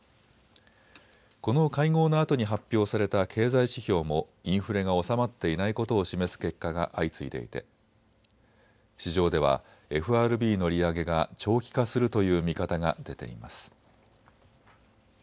この会合のあとに発表された経済指標もインフレが収まっていないことを示す結果が相次いでいて市場ではＦＲＢの利上げが長期化するという見方が出ています。